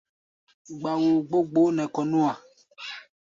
Gba-woo gbó gboó nɛ kɔ̧ nú-a.